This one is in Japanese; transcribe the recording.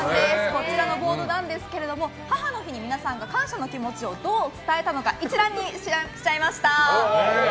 こちらのボードですが母の日に皆さんが感謝の気持ちをどう伝えたのか、一覧にしました。